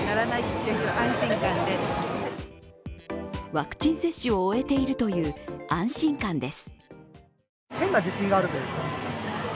ワクチン接種を終えているという安心感です。